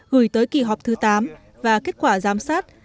gửi tới kỳ họp thứ tám và kết quả giám sát